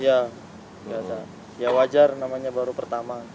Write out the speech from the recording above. iya ya wajar namanya baru pertama